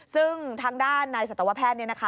ซึ่งทางด้านนายสัตวแพทย์เนี่ยนะคะ